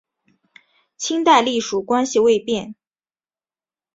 清代隶属关系未变。